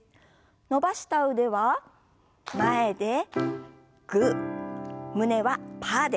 伸ばした腕は前でグー胸はパーです。